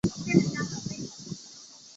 殷融之孙。